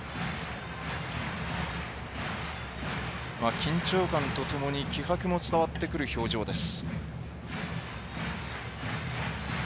緊張感とともに気迫も伝わってくる表情です。